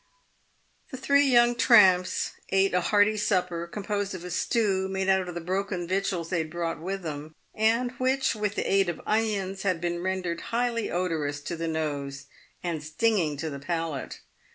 The three young tramps ate a hearty supper, composed of a stew made out of the broken victuals they had brought with them, and which, with the aid of onions, had been rendered highly odorous to the nose, and stinging to the palate.